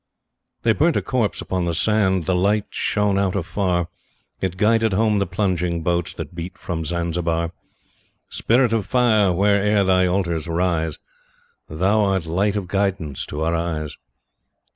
They burnt a corpse upon the sand The light shone out afar; It guided home the plunging boats That beat from Zanzibar. Spirit of Fire, where'er Thy altars rise. Thou art Light of Guidance to our eyes!